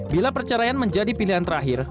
bila perceraian menjadi pilihan terakhir